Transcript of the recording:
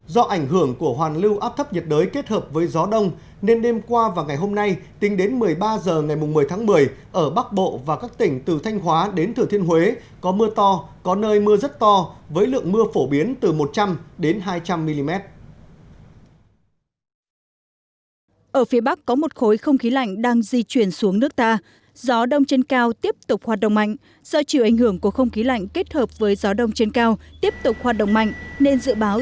do ảnh hưởng của hoàn lưu áp thấp nhiệt đới kết hợp với gió đông nên đêm qua và ngày hôm nay tính đến một mươi ba h ngày một mươi tháng một mươi ở bắc bộ và các tỉnh từ thanh hóa đến thừa thiên huế có mưa to có nơi mưa rất to với lượng mưa phổ biến từ một trăm linh đến hai trăm linh mm